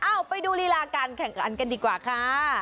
เอาไปดูรีลาการแข่งขันกันดีกว่าค่ะ